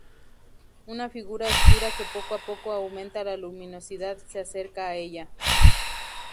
Una figura oscura que poco a poco aumenta la luminosidad se acerca a ella.